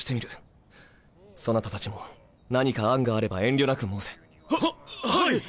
そなたたちも何か案があれば遠慮なく申せ。ははい！